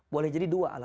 boleh jadi dua alasannya